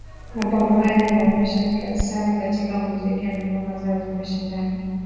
Mapambo haya yanaonyeshwa sana katika muziki na ngoma zao za mashindano